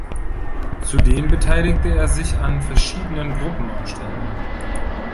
Zudem beteiligte er sich an verschiedenen Gruppenausstellung.